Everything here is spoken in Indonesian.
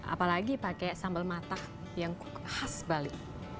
apalagi pakai sambal matah yang khas bali